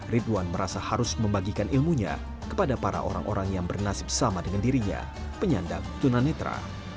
ridwan merasa harus membagikan ilmunya kepada para orang orang yang bernasib sama dengan dirinya penyandang tunanetra